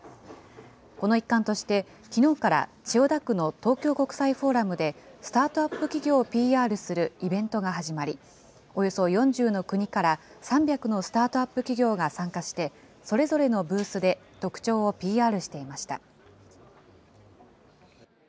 この一環として、きのうから千代田区の東京国際フォーラムでスタートアップ企業をＰＲするイベントが始まり、およそ４０の国から３００のスタートアップ企業が参加して、それぞれのブースで特長をＰＲしていました。